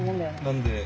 何で？